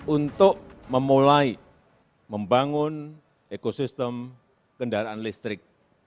untuk memulai membangun ekosistem kendaraan listrik